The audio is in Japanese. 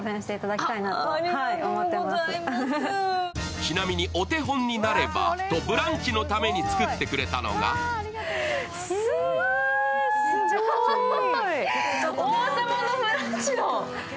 ちなみにお手本になればと「ブランチ」のために作ってくれたのが「王様のブランチ」の。